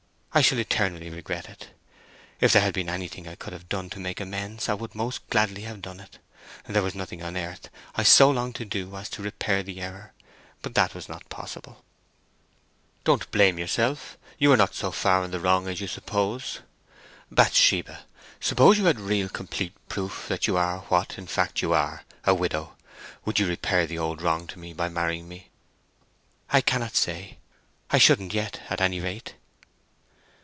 I shall eternally regret it. If there had been anything I could have done to make amends I would most gladly have done it—there was nothing on earth I so longed to do as to repair the error. But that was not possible." "Don't blame yourself—you were not so far in the wrong as you suppose. Bathsheba, suppose you had real complete proof that you are what, in fact, you are—a widow—would you repair the old wrong to me by marrying me?" "I cannot say. I shouldn't yet, at any rate."